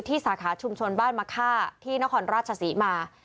สาขาชุมชนบ้านมะค่าที่นครราชศรีมา